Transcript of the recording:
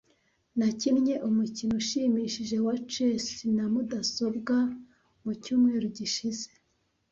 Nakinnye umukino ushimishije wa chess na mudasobwa mucyumweru gishize.